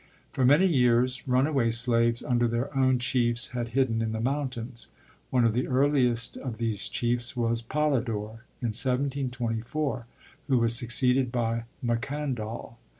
For many years runaway slaves under their own chiefs had hidden in the mountains. One of the earliest of these chiefs was Polydor, in 1724, who was succeeded by Macandal.